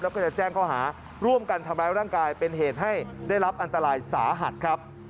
แล้วก็จะแจ้งข้อหาร่วมกันทำร้ายร่างกายเป็นเหตุให้ได้รับอันตรายสาหัสครับ